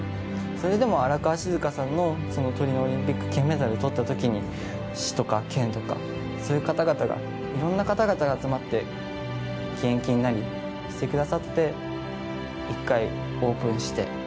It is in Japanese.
それでも荒川静香さんのトリノオリンピック金メダルをとった時にそういう方々がいろいろな方々が集まって義援金なりしてくださって１回オープンして。